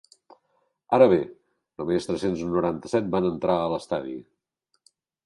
Ara bé, només tres-cents noranta-set van entrar a l’estadi.